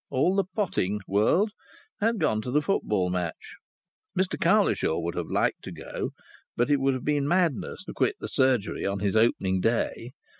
All the potting world had gone to the football match. Mr Cowlishaw would have liked to go, but it would have been madness to quit the surgery on his opening day.